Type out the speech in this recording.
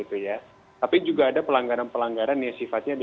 tapi juga ada pelanggaran pelanggaran yang sifatnya